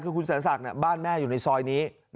คือคุณแสนศักดิ์บ้านแม่อยู่ในซอยนี้